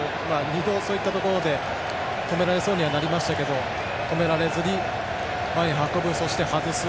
２度、そういったところで止められそうにはなりましたけど止められずに前へ運びそして外す。